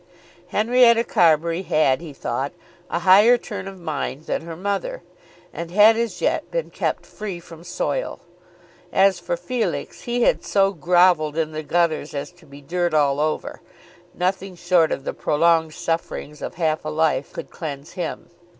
Henrietta Carbury had, he thought, a higher turn of mind than her mother, and had as yet been kept free from soil. As for Felix, he had so grovelled in the gutters as to be dirt all over. Nothing short of the prolonged sufferings of half a life could cleanse him.